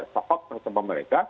sok sok tersebut mereka